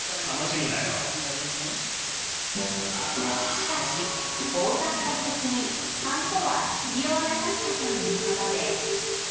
しかし、口座開設にハンコは必要なかったということです。